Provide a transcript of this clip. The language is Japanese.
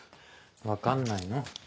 分かんないの？